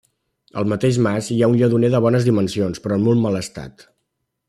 Al mateix mas hi ha un lledoner de bones dimensions, però en molt mal estat.